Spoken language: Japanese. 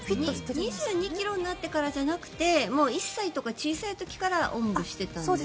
２２ｋｇになってからじゃなくて１歳とか小さい時からおんぶしてたんですか？